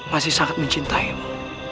masih sangat mencintaimu